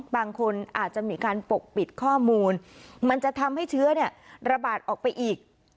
บางคนอาจจะมีการปกปิดข้อมูลมันจะทำให้เชื้อระบาดออกไปอีก